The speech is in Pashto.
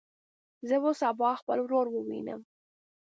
زه به سبا خپل ورور ووینم.